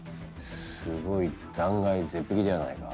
すごい断崖絶壁ではないか。